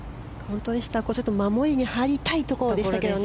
守りに入りたいところでしたけどね。